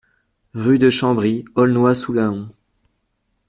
Rue de Chambry, Aulnois-sous-Laon